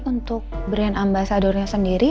untuk brand ambasadurnya sendiri